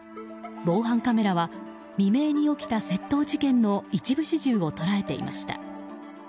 防犯カメラは未明に起きた窃盗事件の一部始終を捉えていました。